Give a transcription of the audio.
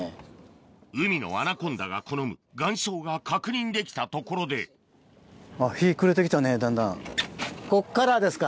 海のアナコンダが好む岩礁が確認できたところでこっからですか。